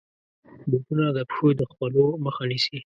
بوټونه د پښو د خولو مخه نیسي.